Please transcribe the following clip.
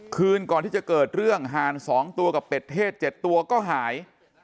คืนก่อนที่จะเกิดเรื่องห่าน๒ตัวกับเป็ดเทศ๗ตัวก็หาย